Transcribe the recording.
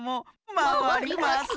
まわりますな。